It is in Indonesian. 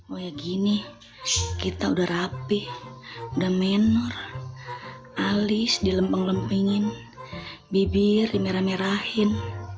oh ya gini kita udah rapih udah menor alis dilempeng lempengin bibir dimerah merahin